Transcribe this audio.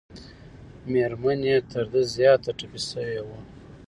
مېرمن یې تر ده زیاته ټپي شوې وه.